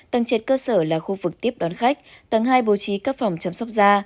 tầng triệt cơ sở là khu vực tiếp đón khách tầng hai bố trí các phòng chăm sóc da